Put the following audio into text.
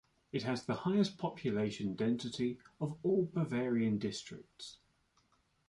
It has the highest population density of all Bavarian districts.